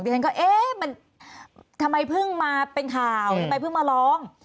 ฉันก็เอ๊ะมันทำไมเพิ่งมาเป็นข่าวทำไมเพิ่งมาร้อง